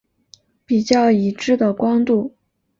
比较已知的光度。